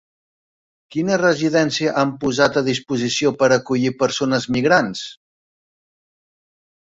Quina residència han posat a disposició per acollir persones migrants?